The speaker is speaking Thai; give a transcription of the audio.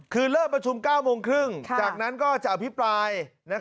คือเลิกประชุม๙๓๐จากนั้นก็จะอภิปราย